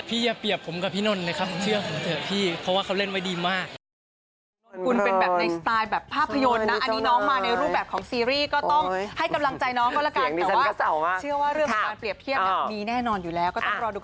อย่าเปรียบผมกับพี่นนท์เลยครับเชื่อผมเถอะพี่เพราะว่าเขาเล่นไว้ดีมาก